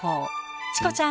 チコちゃん